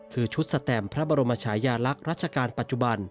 คือชุดสแตมพระบรมชายาลักษณ์รัชกาลปัจจุบัน